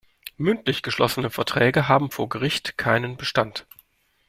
Mündlich geschlossene Verträge haben vor Gericht keinen Bestand.